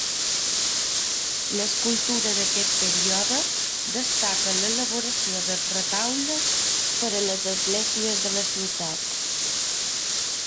L'escultura d'aquest període destaca en l'elaboració de retaules per a les esglésies de la ciutat.